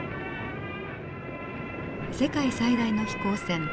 世界最大の飛行船